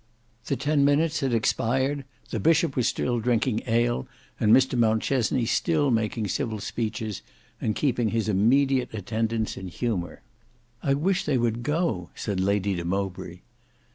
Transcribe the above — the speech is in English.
The ten minutes had expired: the Bishop was still drinking ale, and Mr Mountchesney still making civil speeches and keeping his immediate attendants in humour. "I wish they would go," said Lady de Mowbray.